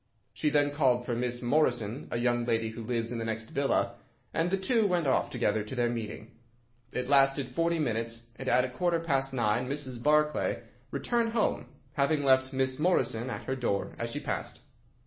She then called for Miss Morrison, a young lady who lives in the next villa, and the two went off together to their meeting. It lasted forty minutes, and at a quarter past nine Mrs. Barclay returned home, having left Miss Morrison at her door as she passed.